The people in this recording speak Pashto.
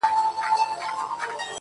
• درته به وايي ستا د ښاريې سندري.